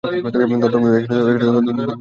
দত্তক নেওয়া বাবা।